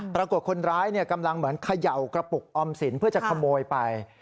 ปรากฏคนร้ายกำลังเหมือนเขย่ากระปุกออมสินเพื่อจะขโมยไป